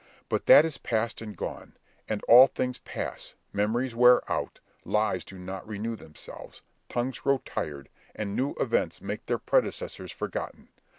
But that is past and gone; and all things pass, memories wear out, lives do not renew themselves, tongues grow tired, and new events make their predecessors forgotten.